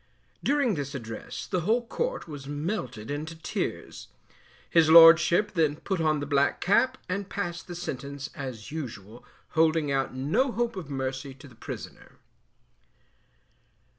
During this address the whole court was melted into tears. His Lordship then put on the black cap and passed the sentence as usual, holding out no hope of mercy to the prisoner.